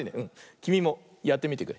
きみもやってみてくれ。